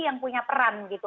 yang punya peran gitu